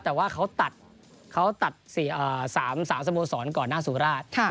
แต่ว่าเขาตัด๓สมุทรศรก่อนหน้าสุราช